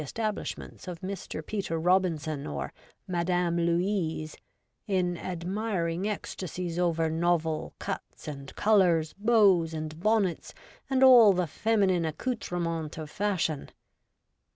establishments of Mr. Peter Robinson or Madame Louise, in admiring ecstasies over novel cuts and colours, bows and bonnets, and all the feminine accoutrements of fashion.